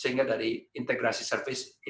sehingga dari integrasi service